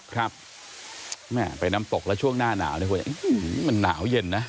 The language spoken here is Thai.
ครับแม่ไปน้ำตกแล้วช่วงหน้าหนาวด้วยมันหนาวเย็นนะ